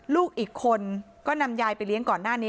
ลูกอีกคนก็นำยายไปเลี้ยงก่อนหน้านี้